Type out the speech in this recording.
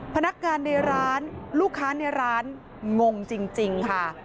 พนักงานในร้านลูกค้าในร้านงงจริงค่ะ